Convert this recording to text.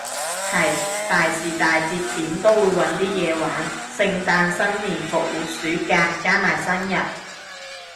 係，大時大節點都會搵啲嘢玩，聖誕新年復活暑假，加埋生日